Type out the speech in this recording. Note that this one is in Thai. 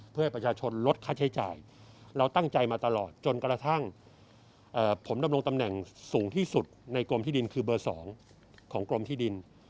เพื่อให้ประชาชนลดค่าใช้จ่ายเราตั้งใจมาตลอดจนกระทั่งผมดำรงตำแหน่งสูงที่สุดในกรมที่ดินคือเบอร์๒ของกรมที่ดิน